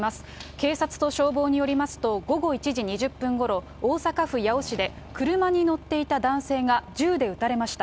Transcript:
警察と消防によりますと、午後１時２０分ごろ、大阪府八尾市で、車に乗っていた男性が銃で撃たれました。